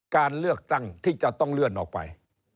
การเลือกตั้งที่จะต้องเลื่อนออกไป